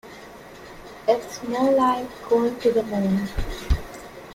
It's more like going to the moon!